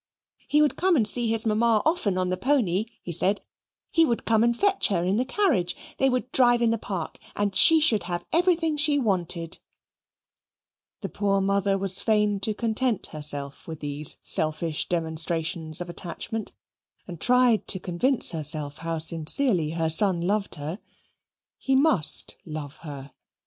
"He would come and see his mamma often on the pony," he said. "He would come and fetch her in the carriage; they would drive in the park, and she should have everything she wanted." The poor mother was fain to content herself with these selfish demonstrations of attachment, and tried to convince herself how sincerely her son loved her. He must love her.